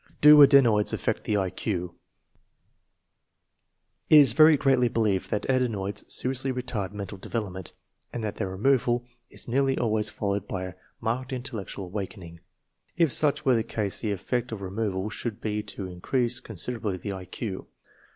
Do adenoids affect the I Q ? It is very generally believed that adenoids seriously retard mental devel opment, and that their removal is nearly always fol lowed by a marked intellectual awakening. If such were the case the effect of removal should be to in crease considerably the I Q.